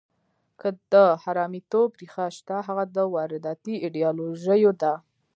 که د حرامیتوب ریښه شته، هغه د وارداتي ایډیالوژیو ده.